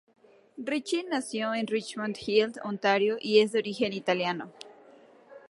Ricci nació en Richmond Hill, Ontario, y es de origen italiano.